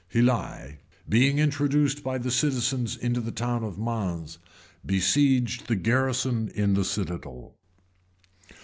Helie, being introduced by the citizens into the town of Mans, besieged the garrison in the citadel, {1099.